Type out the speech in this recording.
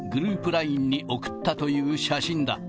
ＬＩＮＥに送ったという写真だ。